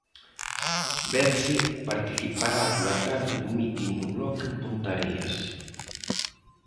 Vence participará pola tarde do mitin do Bloque en Ponteareas.